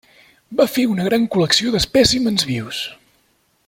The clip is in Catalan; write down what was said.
Va fer una gran col·lecció d'espècimens vius.